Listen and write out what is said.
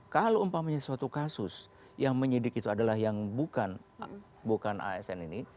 kalau umpamanya suatu kasus yang menyidik itu adalah yang bukan asn ini